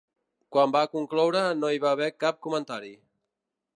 Quan va concloure, no hi va haver cap comentari.